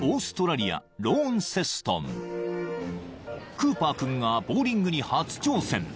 ［クーパー君がボウリングに初挑戦］